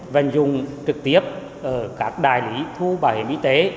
và dùng trực tiếp ở các đại lý thu bảo hiểm y tế